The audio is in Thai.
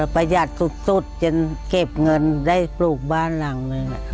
ประหยัดสุดจนเก็บเงินได้ปลูกบ้านหลังนึง